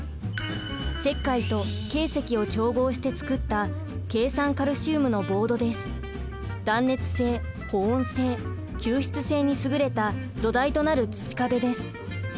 石灰とけい石を調合して作った断熱性・保温性・吸湿性にすぐれた土台となる土壁です。